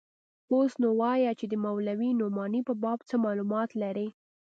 اوس نو وايه چې د مولوي نعماني په باب څه مالومات لرې.